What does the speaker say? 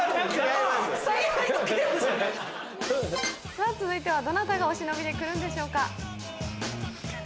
さぁ続いてはどなたがお忍びで来るんでしょうか。